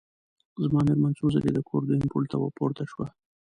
زما مېرمن څو ځلي د کور دویم پوړ ته پورته شوه.